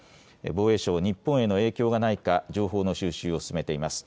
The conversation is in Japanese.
防衛省、日本への影響がないか情報の収集を進めています。